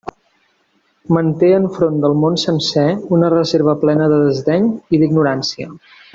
Manté enfront del món sencer una reserva plena de desdeny i d'ignorància.